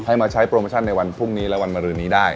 มาใช้โปรโมชั่นในวันพรุ่งนี้และวันมรืนนี้ได้